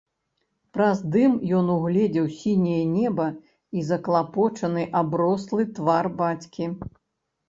Праз дым ён угледзеў сіняе неба і заклапочаны аброслы твар бацькі.